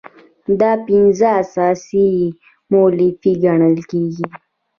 دا پنځه اساسي مولفې ګڼل کیږي.